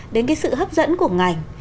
đến cái sự hấp dẫn của ngành